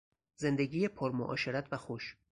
زندگی پر معاشرت و خوش